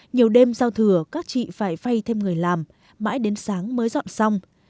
nhiều đêm giao thừa các chị phải phay thêm người làm mãi đến sáng mới dọn xong